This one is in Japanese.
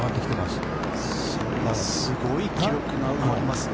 すごい記録が生まれますね。